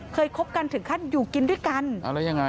เคยคบกันถึงคัดอยู่กินด้วยกันแล้วยังไง